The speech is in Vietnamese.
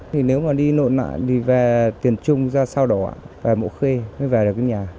thì nếu mà đi nộn nạn thì về tiền trung ra sao đỏ về mộ khê mới về được cái nhà